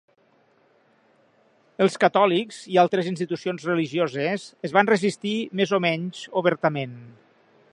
Els catòlics i altres institucions religioses es van resistir més o menys obertament.